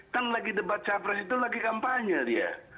kan lagi debat capres itu lagi kampanye dia